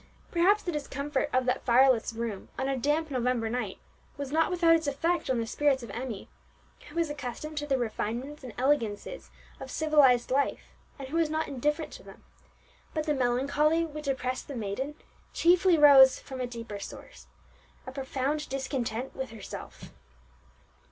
Perhaps the discomfort of that fireless room on a damp November night was not without its effect on the spirits of Emmie, who was accustomed to the refinements and elegances of civilized life, and who was not indifferent to them; but the melancholy which oppressed the maiden chiefly rose from a deeper source, a profound discontent with herself.